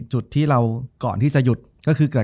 จบการโรงแรมจบการโรงแรม